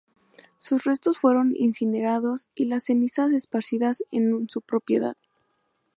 Sus restos fueron incinerados y las cenizas esparcidas en su propiedad.